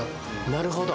なるほど。